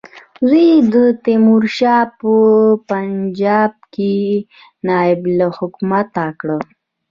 زوی یې تیمورشاه په پنجاب کې نایب الحکومه کړ.